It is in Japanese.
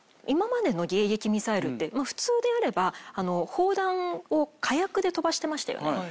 今までの迎撃ミサイルって普通であれば砲弾を火薬で飛ばしてましたよね。